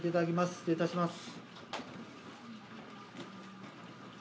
失礼いたします。